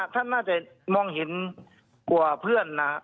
ผมน่าจะมองเห็นกว่าเพื่อนนะ